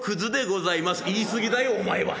「言い過ぎだよお前は」。